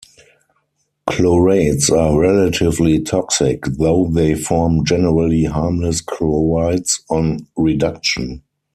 Chlorates are relatively toxic, though they form generally harmless chlorides on reduction.